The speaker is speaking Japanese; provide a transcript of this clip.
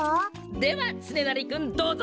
ではつねなりくんどうぞ！